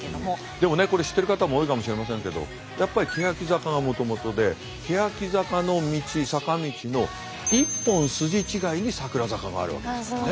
でもねこれ知っている方も多いかもしれませんけどやっぱりけやき坂がもともとでけやき坂の道坂道の１本筋違いにさくら坂があるわけですよね。